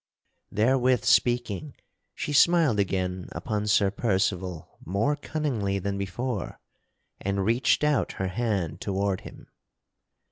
Therewith speaking she smiled again upon Sir Percival more cunningly than before and reached out her hand toward him.